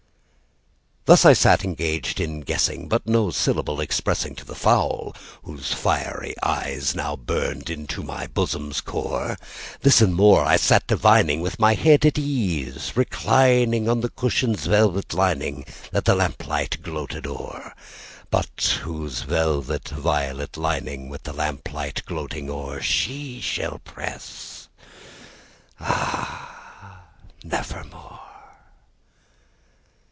This I sat engaged in guessing, but no syllable expressingTo the fowl whose fiery eyes now burned into my bosom's core; This and more I sat divining, with my head at ease recliningOn the cushion's velvet lining that the lamplight gloated o'er, But whose velvet violet lining with the lamp light gloating o'erShe shall press, ah, nevermore!